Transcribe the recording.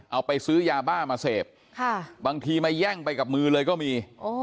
เอาไปซื้อยาบ้ามาเสพบางทีมาแย่งไปกับมือเลยก็มี